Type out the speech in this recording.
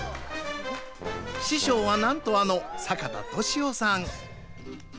師匠はなんとあの坂田利夫さん。